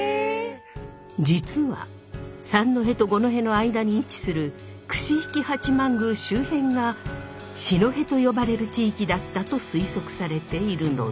実は三戸と五戸の間に位置する櫛引八幡宮周辺が四戸と呼ばれる地域だったと推測されているのです。